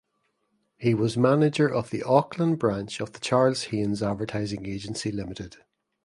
He was manager of the Auckland branch of the Charles Haines Advertising Agency Limited.